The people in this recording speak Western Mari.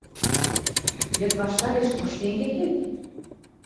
— Йыд ваштареш кыш тенге кет?